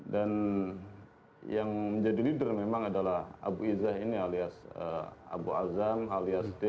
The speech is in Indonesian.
dan yang menjadi leader memang adalah abu izzah ini alias abu azam alias d